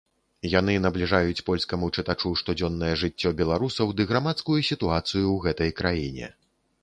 Яны набліжаюць польскаму чытачу штодзённае жыццё беларусаў ды грамадскую сітуацыю ў гэтай краіне.